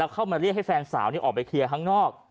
เข้ามาเรียกให้แฟนสาวออกไปเคลียร์ข้างนอก